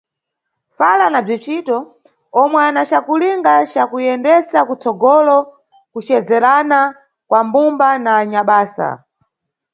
Fala na Bzicito yomwe yana cakulinga ca kuyendesa kutsogolo kucezerana kwa mbumba na anyabasa.